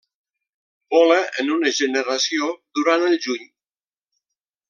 Vola en una generació durant el juny.